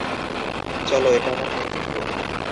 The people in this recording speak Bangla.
চলো, এটা আমার কর্তব্য।